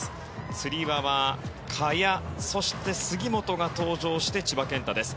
つり輪は萱そして杉本が登場して千葉健太です。